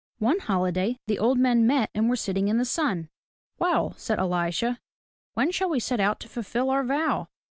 One holiday the old men met and were sitting in the sun. "Well,'' said Elisha, "when shall we set out to fulfil our vow?"